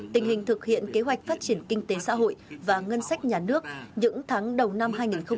tình hình thực hiện kế hoạch phát triển kinh tế xã hội và ngân sách nhà nước những tháng đầu năm hai nghìn hai mươi